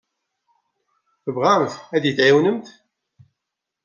Tebɣamt ad iyi-tɛiwnemt?